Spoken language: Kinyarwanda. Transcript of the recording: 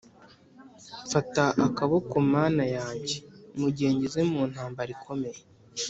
mfata akaboko Mana yanjye mu gihe ngeze mu ntambara ikomeye